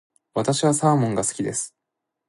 私はサーモンが好きです。